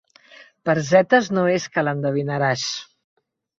Per zetes no és que l'endevinaràs.